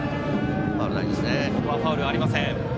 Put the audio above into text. ここはファウルありません。